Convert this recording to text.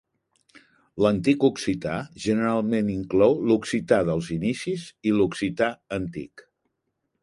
L'antic occità generalment inclou l'occità dels inicis i l'occità antic.